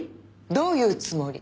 どういうつもり？